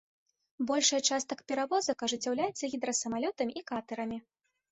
Большая частка перавозак ажыццяўляецца гідрасамалётамі і катэрамі.